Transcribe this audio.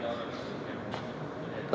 kalau sudah menjadi tersangka ya